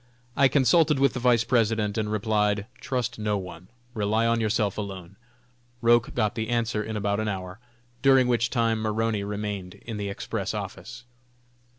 I consulted with the Vice President, and replied: "Trust no one. Rely on yourself alone." Roch got the answer in about an hour, during which time Maroney remained in the Express office.